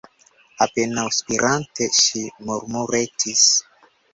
Apenaŭ spirante, ŝi murmuretis: